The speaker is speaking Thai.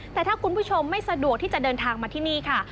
แต่ถ้าคุณผู้ชมไม่สะดวกที่จะเดินทางมาที่นี่ค่ะ